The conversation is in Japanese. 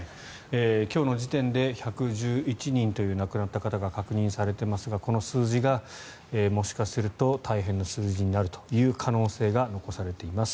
今日の時点で１１１人という亡くなった方が確認されていますがこの数字がもしかすると大変な数字になるという可能性が残されています。